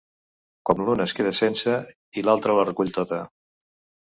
Com l’un es queda sense i l’altre la recull tota.